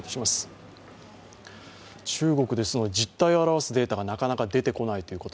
中国ですので実態を表すデータがなかなか出てこないということ